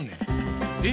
え？